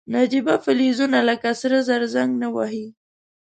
نجیبه فلزونه لکه سره زر زنګ نه وهي.